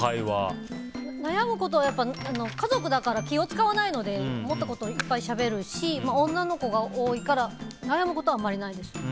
家族だから気を使わないので思ったことをいっぱいしゃべるし女の子が多いから悩むことはあんまりないですね。